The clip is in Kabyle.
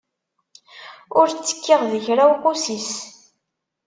Ur ttekkiɣ di kra uqusis.